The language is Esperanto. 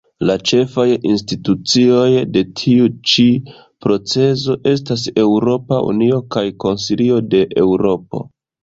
La ĉefaj institucioj de tiu ĉi procezo estas Eŭropa Unio kaj Konsilio de Eŭropo.